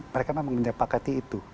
mereka memang menjepakati itu